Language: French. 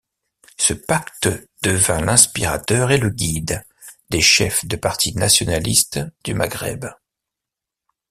Ce pacte devint l'inspirateur et le guide des chefs de partis nationalistes du Maghreb.